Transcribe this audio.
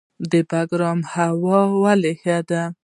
د بګرام هوا ولې ښه ده؟